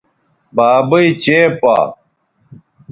بابئ چےپا